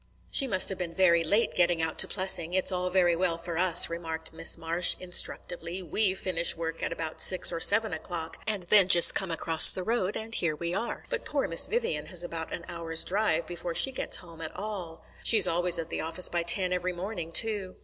"She must have been very late getting out to Plessing. It's all very well for us," remarked Miss Marsh instructively; "we finish work at about six or seven o'clock, and then just come across the road, and here we are. But poor Miss Vivian has about an hour's drive before she gets home at all." "She's always at the office by ten every morning, too."